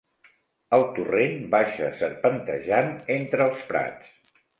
El torrent baixa serpentejant entre els prats.